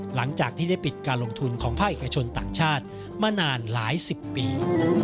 หลังจากที่ได้ปิดการลงทุนของภาคเอกชนต่างชาติมานานหลายสิบปี